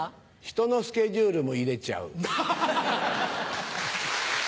ひとのスケジュールも入れちゃう。